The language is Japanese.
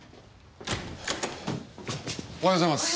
おはようございます。